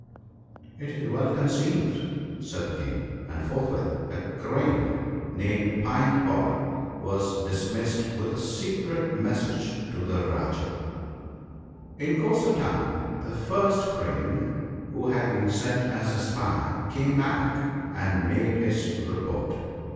' It is well conceived/ said the King. And forthwith a Crane, named Pied body, was dismissed with a secret message to that Rajah. " In course of time the first Crane, who had been sent as a spy, came back, and made his report.